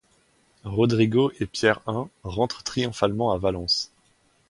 Rodrigo et Pierre I rentrent triomphalement à Valence.